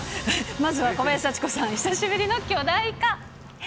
まずは小林幸子さん、久しぶりの巨大化。